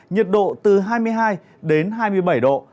nhiệt độ từ hai mươi hai đến hai mươi bảy độ